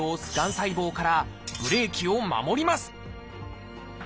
細胞からブレーキを守ります